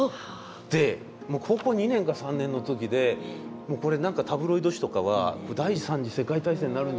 でもう高校２年か３年の時でもうこれ何かタブロイド紙とかは第３次世界大戦になるんじゃないかって。